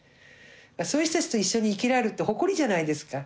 そういう人たちと一緒に生きられるって誇りじゃないですか。